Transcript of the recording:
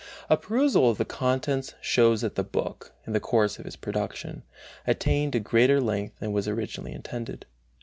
A perusal of the contents shows that the book, in the course of its production, attained a greater length than was originally intended.